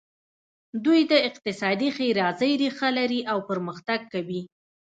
دوی د اقتصادي ښېرازۍ ریښه لري او پرمختګ کوي.